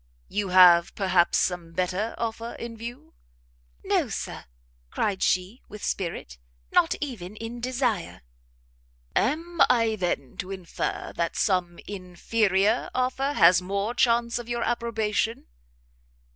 "You have, perhaps, some other better offer in view?" "No, Sir," cried she, with spirit, "nor even in desire." "Am I, then, to infer that some inferior offer has more chance of your approbation?"